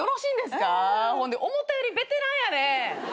ほんで思ったよりベテランやね。